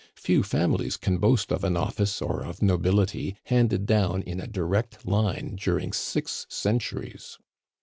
Few families can boast of an office or of nobility handed down in a direct line during six centuries.